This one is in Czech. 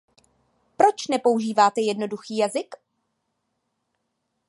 Proč nepoužíváte jednoduchý jazyk?